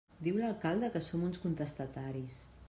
Diu l'alcalde que som uns contestataris.